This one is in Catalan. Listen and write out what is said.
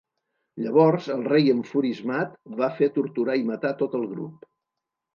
Llavors, el rei, enfurismat, va fer torturar i matar tot el grup.